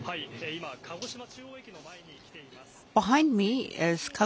今、鹿児島中央駅の前に来ています。